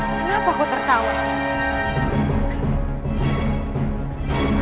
kenapa aku tertawa